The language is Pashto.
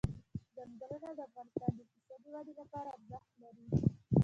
چنګلونه د افغانستان د اقتصادي ودې لپاره ارزښت لري.